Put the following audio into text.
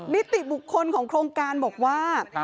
นิติบุคคลของโครงการบอกว่า